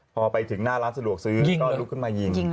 พอไปถึงหน้าร้านสะดวกซื้อก็ลุกขึ้นมายิง